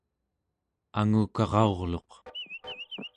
angukara'urluq